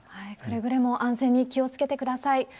くれぐれも安全に気をつけてください。